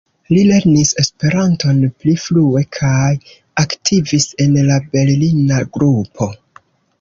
Li lernis Esperanton pli frue kaj aktivis en la berlina grupo.